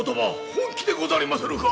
本気でござりまするか？